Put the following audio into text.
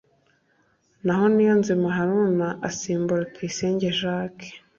naho Niyonzima Haruna asimbura Tuyisenge Jacques